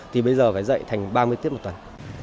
thì bây giờ phải dạy thành ba mươi tiết một tuần